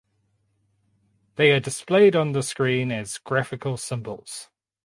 They are displayed on the screen as graphical symbols.